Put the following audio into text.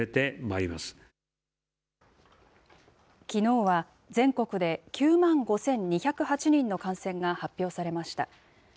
きのうは、全国で９万５２０８人の感染が発表されました。